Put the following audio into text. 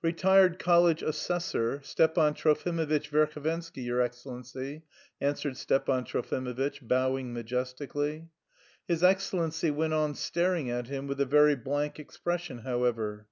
"Retired college assessor, Stepan Trofimovitch Verhovensky, your Excellency," answered Stepan Trofimovitch, bowing majestically. His Excellency went on staring at him with a very blank expression, however.